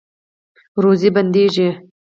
روزي بندیږي؟